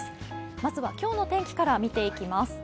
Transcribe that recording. まずは今日の天気から見ていきます。